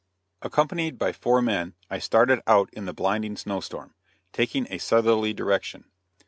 ] Accompanied by four men I started out in the blinding snow storm, taking a southerly direction.